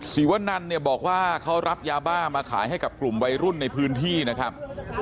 วนันเนี่ยบอกว่าเขารับยาบ้ามาขายให้กับกลุ่มวัยรุ่นในพื้นที่นะครับ